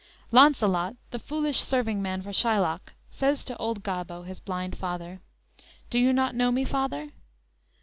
"_ Launcelot, the foolish serving man for Shylock, says to old Gobbo, his blind father: _"Do you not know me, father?"